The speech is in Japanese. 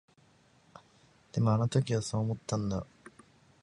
でも、あの時はそう思ったんだ。